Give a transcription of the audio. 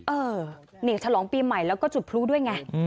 เออนี่ฉลองปีใหม่แล้วก็จุดพลุด้วยไง